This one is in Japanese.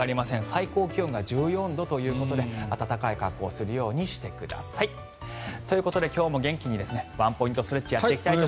最高気温が１４度ということで暖かい格好をするようにしてください。ということで今日も元気にワンポイントストレッチをやっていきます。